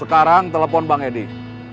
sekarang telepon bang edi